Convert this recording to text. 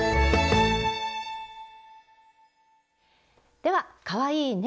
ではかわいいね